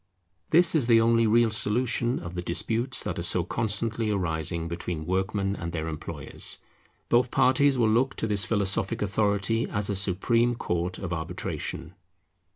This is the only real solution of the disputes that are so constantly arising between workmen and their employers. Both parties will look to this philosophic authority as a supreme court of arbitration.